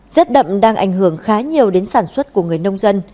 rết đậm đang ảnh hưởng khá nhiều đến sản xuất của người nông dân